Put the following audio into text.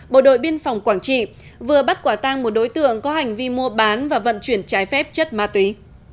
bộ đội biên phòng quảng trị vừa bắt quả tang một đối tượng có hành vi mua bán và vận chuyển trái phép chất ma túy